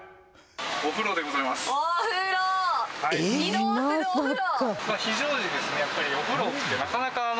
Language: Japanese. お風呂、移動するお風呂。